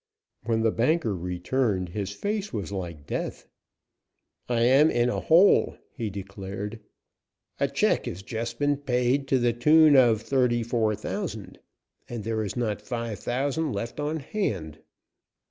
When the banker returned his face was like death. "I am in a hole," he declared. "A check has just been paid to the tune of thirty four thousand, and there is not five thousand left on hand."